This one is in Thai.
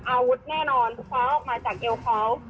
เราไม่มั่นใจว่าใช่มีดหรือเปล่าแต่เป็นอาวุธแน่นอน